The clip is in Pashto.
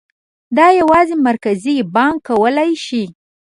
دا یوازې مرکزي بانک کولای شي.